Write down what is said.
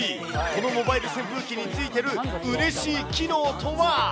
このモバイル扇風機についているうれしい機能とは？